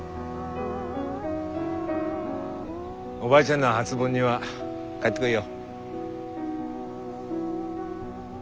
おばあちゃんの初盆には帰ってこいよ。